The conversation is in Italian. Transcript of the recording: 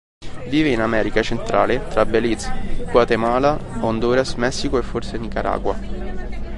Vive in America Centrale tra Belize, Guatemala, Honduras, Messico e, forse, Nicaragua.